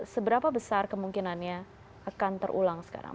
seberapa besar kemungkinannya akan terulang sekarang